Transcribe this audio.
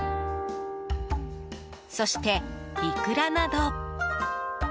そしてイクラなど。